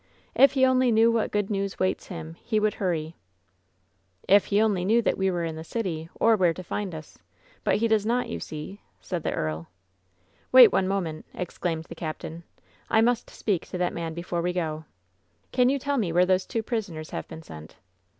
If he only knew what good news waits him he would hurry !" "If he only knew that we were in the city, or where to find us! But he does not, you see," said the earl. "Wait one moment," exclaimed the captain. "I must speak to that man before we go. Can you tell me where those two prisoners have been sent?"